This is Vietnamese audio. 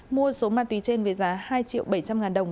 mua số ma túy trên với giá hai triệu bảy trăm linh ngàn đồng